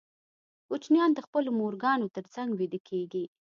کوچنیان د خپلو مورګانو تر څنګ ویده کېږي.